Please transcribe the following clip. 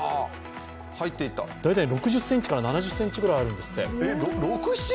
大体６０ｃｍから７０ｃｍくらいあるんですって。